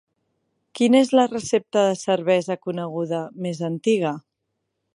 Quina és la recepta de cervesa coneguda més antiga?